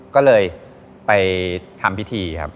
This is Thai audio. ก็เลยไปทำพิธีครับ